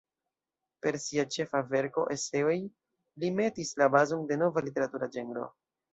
Per sia ĉefa verko "Eseoj", li metis la bazon de nova literatura ĝenro.